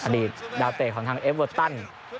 อดีตดาวเตะของทางเอฟเวอร์ตัน